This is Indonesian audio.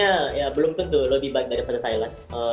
saya juga menarik dari thailand